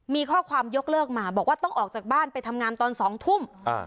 มีข้อความยกเลิกมาบอกว่าต้องออกจากบ้านไปทำงานตอน๒ทุ่ม